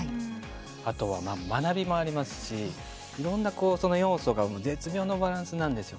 あとは学びもありますしいろんな、その要素が絶妙なバランスなんですよ。